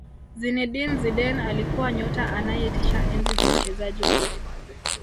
Zinedine Zidane alikuwa nyota anayetisha enzi za uchezaji wake